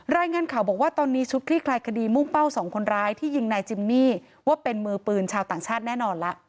รายงานข่าวบอกว่าตอนนี้ชุดคลี่คลายคดีมุ่งเป้าสองคนร้ายที่ยิงนายจิมมี่ว่าเป็นมือปืนชาวต่างชาติแน่นอนละ